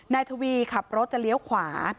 นายทวีขับรถจะเลี้ยวขวา